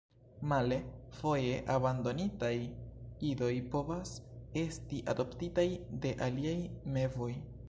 Male, foje abandonitaj idoj povas esti adoptitaj de aliaj mevoj.